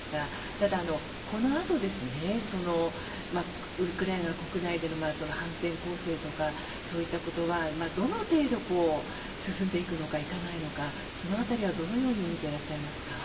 ただ、このあとウクライナ国内での反転攻勢とか、そういったことがどの程度進んでいくのか、いかないのかその辺りは、どのように見ていらっしゃいますか？